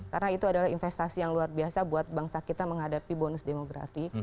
karena itu adalah investasi yang luar biasa buat bangsa kita menghadapi bonus demografi